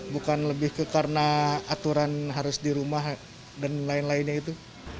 bukan lebih ke karena aturan harus di rumah dan lain lainnya itu